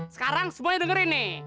sekarang semuanya dengerin nih